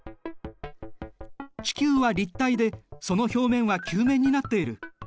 地球は立体でその表面は球面になっている。